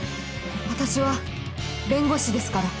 私は弁護士ですから。